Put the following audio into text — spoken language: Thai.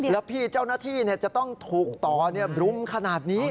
แล้วพี่เจ้าหน้าที่จะต้องถูกต่อรุมขนาดนี้